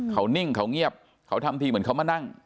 เขานิ่งเขาเงียบเขาทำทีเหมือนเขามานั่ง